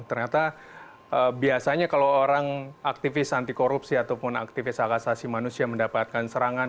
ternyata biasanya kalau orang aktivis anti korupsi ataupun aktivis hak asasi manusia mendapatkan serangan